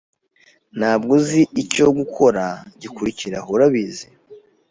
Ntabwo uzi icyo gukora gikurikiraho, urabizi?